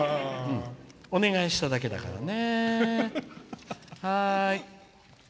お願いしただけだからね。